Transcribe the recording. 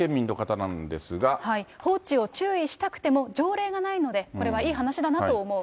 放置を注意したくても、条例がないので、これはいい話だなと思う。